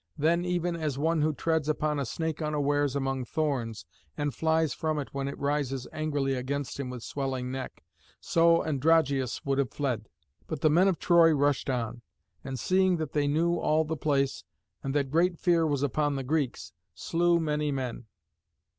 Then even as one who treads upon a snake unawares among thorns, and flies from it when it rises angrily against him with swelling neck, so Androgeos would have fled. But the men of Troy rushed on, and, seeing that they knew all the place, and that great fear was upon the Greeks, slew many men.